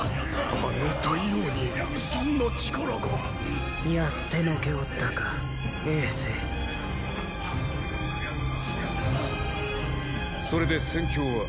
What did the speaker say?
あの大王にそんな力がやってのけおったか政それで戦況は？